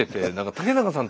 竹中さん。